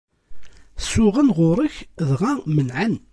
Suɣen ɣur-k, dɣa menɛen.